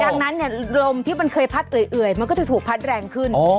ดังนั้นเนี่ยลมที่มันเคยพัดเอื่อยมันก็จะถูกพัดแรงขึ้น